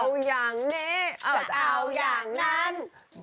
เอาอย่างนี้จะเอาอย่างนั้น